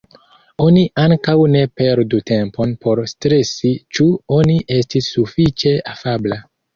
Oni ankaŭ ne perdu tempon por stresi ĉu oni estis sufiĉe afabla.